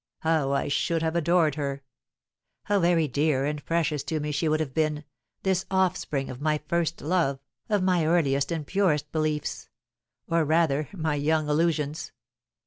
How I should have adored her! How very dear and precious to me she would have been, this offspring of my first love, of my earliest and purest beliefs or, rather, my young illusions!